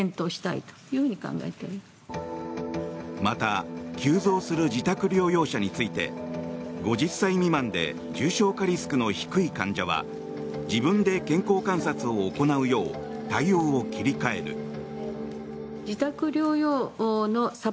また急増する自宅療養者について５０歳未満で重症化リスクの低い患者は自分で健康観察を行うよう対応を切り替える。